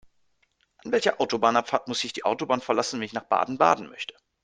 An welcher Autobahnabfahrt muss ich die Autobahn verlassen, wenn ich nach Baden-Baden möchte?